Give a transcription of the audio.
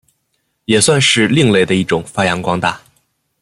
也算是另类的一种发扬光大。